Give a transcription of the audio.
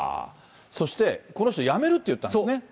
そして、この人辞めるって言ったんですね。